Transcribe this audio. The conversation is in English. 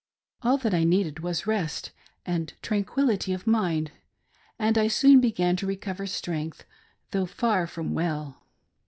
All that I needed was rest and tranquility of mind, and I soon began to recover strength, though far from well.